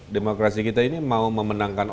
demokrasi kita ini mau memenangkan